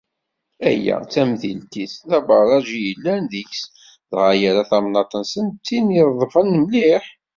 Aya, tamentilt-is d abaraj i yellan deg-s, dɣa yerra tamnaḍt-nsen d tin ireḍben mliḥ.